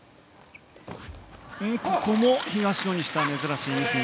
ここも東野にしては珍しいミス。